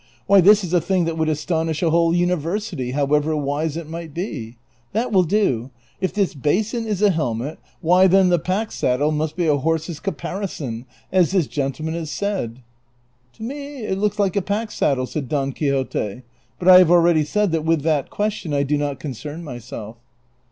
Why, this is a thing that wouhl astonisli a whole nniversity, however wise it mij^ht be ! That will do; if this basin is a helmet, why, then the pack saddle must be a horse's caparison, as this gentleman has said." " To me it looks like a pack saddle,'*' said Don Quixote ;" but I have already said that with that question I do not con cern myself."